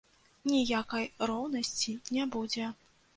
Ніякай роўнасці не будзе.